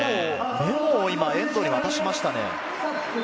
メモを遠藤に渡しましたね。